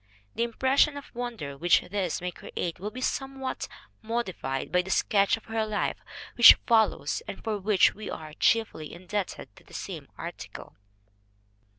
The impression of wonder which this may create will be somewhat modified by the sketch of her life which follows, and for which we are chiefly indebted to the same article.